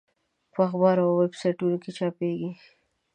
چې په اخبار او ویب سایټونو کې چاپېږي.